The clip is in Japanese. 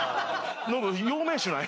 ノブ養命酒ない？